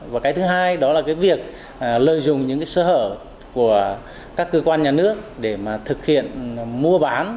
và cái thứ hai đó là cái việc lợi dụng những cái sơ hở của các cơ quan nhà nước để mà thực hiện mua bán